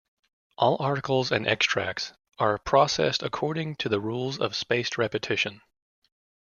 All articles and extracts are processed according to the rules of spaced repetition.